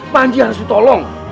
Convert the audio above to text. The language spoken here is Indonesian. panji harus ditolong